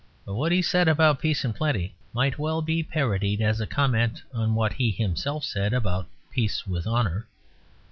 But what he said about Peace and Plenty might well be parodied as a comment on what he himself said about Peace with Honour.